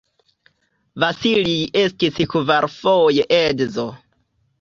Vasilij estis kvarfoje edzo.